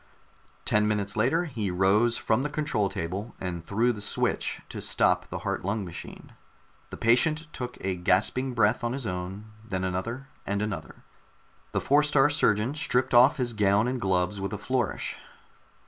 Ten minutes later he rose from the control table and threw the switch to stop the heart lung machine. The patient took a gasping breath on his own, then another and another. The Four star Surgeon stripped off his gown and gloves with a flourish.